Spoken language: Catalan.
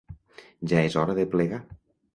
Ja és hora de plegar.